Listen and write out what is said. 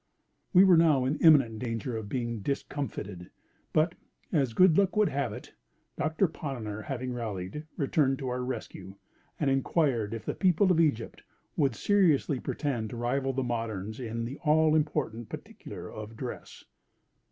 We were now in imminent danger of being discomfited; but, as good luck would have it, Doctor Ponnonner, having rallied, returned to our rescue, and inquired if the people of Egypt would seriously pretend to rival the moderns in the all important particular of dress.